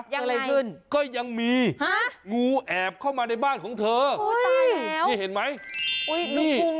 ยังอะไรขึ้นก็ยังมีงูแอบเข้ามาในบ้านของเธอนี่เห็นไหมโอ้ยตายแล้ว